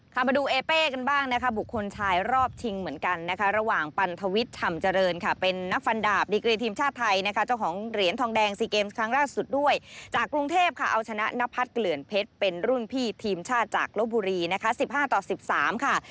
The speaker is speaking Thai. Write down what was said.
มาดูเอเป้กันบ้างนะคะบุคคลชายรอบชิงเหมือนกันนะคะระหว่างปันทวิทย์ชำเจริญค่ะเป็นนักฟันดาบดีกรีทีมชาติไทยนะคะเจ้าของเหรียญทองแดงซีเกมส์ครั้งล่าสุดด้วยจากกรุงเทพค่ะเอาชนะนพัฒน์เกลื่อนเพชรเป็นรุ่นพี่ทีมชาติจากลบบุรีนะคะสิบห้าต่อสิบสามค่ะ